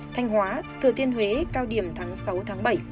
thanh hóa thừa tiên huế cao điểm tháng sáu bảy